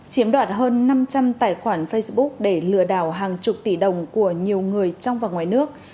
chiếm đoạt hơn năm trăm linh tài khoản facebook để lừa đảo hàng chục tỷ đồng của nhiều người trong và ngoài nước